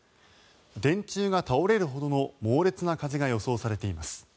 電柱が倒れるほどの猛烈な風が予想されています。